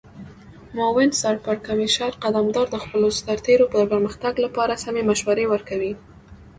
معاون سرپرکمشر قدمدار د خپلو سرتیرو د پرمختګ لپاره سمې مشورې ورکوي.